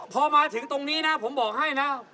พอมาถึงตรงนี้นะผมบอกให้นะ